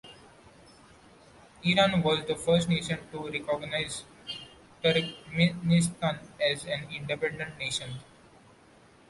Iran was the first nation to recognize Turkmenistan as an independent nation.